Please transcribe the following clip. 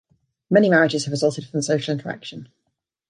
Many marriages have resulted from the social interaction.